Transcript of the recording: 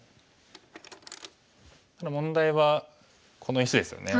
ただ問題はこの石ですよね。